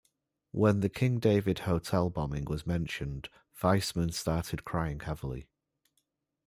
When the King David Hotel bombing was mentioned, Weizmann started crying heavily.